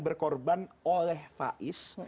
berkorban oleh faiz